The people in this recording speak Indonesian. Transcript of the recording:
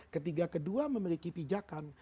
ketika kedua memiliki pijakan